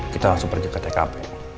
kita langsung pergi ke tkp